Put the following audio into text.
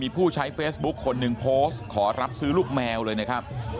ผู้ใช้เฟซบุ๊คคนหนึ่งโพสต์ขอรับซื้อลูกแมวเลยนะครับ